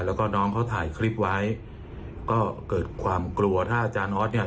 แล้วก็น้องเขาถ่ายคลิปไว้ก็เกิดความกลัวถ้าอาจารย์ออสเนี่ย